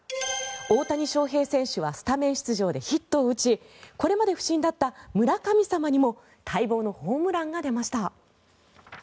大谷翔平選手はスタメン出場でヒットを打ちこれまで不振だった村神様にも待望のホームランが出ました。